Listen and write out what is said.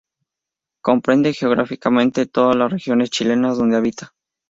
Comprende geográficamente todas las regiones chilenas donde habita.